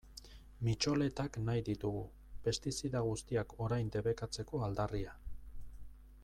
Mitxoletak nahi ditugu, pestizida guztiak orain debekatzeko aldarria.